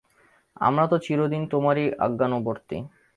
আমরা তো চিরদিন তোমারই আজ্ঞানুবর্তী।